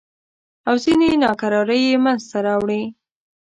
او ځینې ناکرارۍ یې منځته راوړې.